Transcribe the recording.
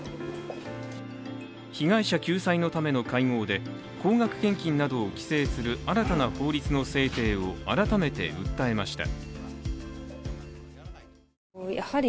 被害者救済のための会合で、高額献金などを規制する新たな法律の制定を改めて訴えました。